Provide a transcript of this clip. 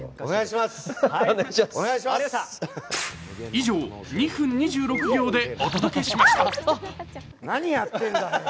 以上、２分２６秒でお届けしました。